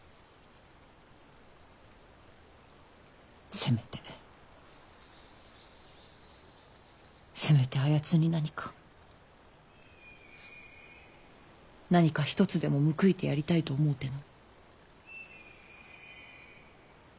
せめてせめてあやつに何か何か一つでも報いてやりたいと思うての。